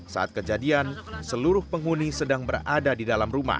saat kejadian seluruh penghuni sedang berada di dalam rumah